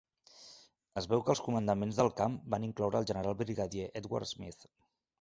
Es veu que els comandants del camp van incloure al general brigadier Edward Smith.